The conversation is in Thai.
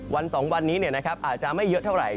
๒วันนี้อาจจะไม่เยอะเท่าไหร่